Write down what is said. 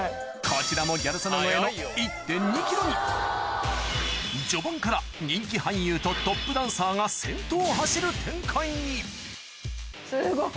こちらもギャル曽根超えの序盤から人気俳優とトップダンサーが先頭を走る展開にすごっ！